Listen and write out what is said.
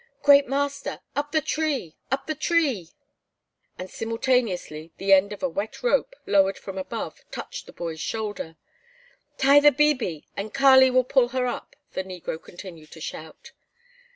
"Great master! Up the tree! up the tree!" And simultaneously the end of a wet rope, lowered from above, touched the boy's shoulder. "Tie the 'bibi,' and Kali will pull her up!" the negro continued to shout.